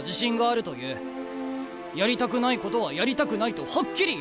やりたくないことはやりたくないとはっきり言う。